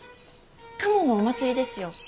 賀茂のお祭りですよ。